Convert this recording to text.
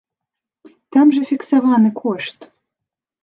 Там жа фіксаваны кошт!